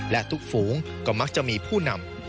และทุกฝูงก็มักจะมีผู้นำ